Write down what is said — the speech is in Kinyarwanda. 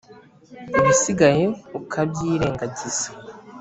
ibisigaye ukabyirengagiza.